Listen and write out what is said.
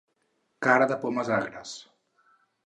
Cara de pomes agres.